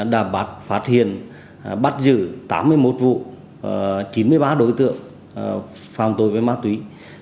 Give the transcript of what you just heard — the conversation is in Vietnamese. đã bắt phát hiện bắt giữ tám mươi một vụ chín mươi ba đối tượng phạm tội với ma túy